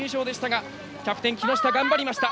キャプテン木下が頑張りました。